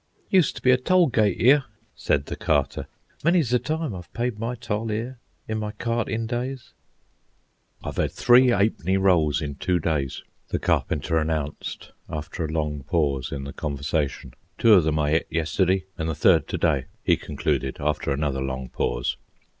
"Used to be a toll gate 'ere," said the Carter. "Many's the time I've paid my toll 'ere in my cartin' days." "I've 'ad three 'a'penny rolls in two days," the Carpenter announced, after a long pause in the conversation. "Two of them I ate yesterday, an' the third to day," he concluded, after another long pause.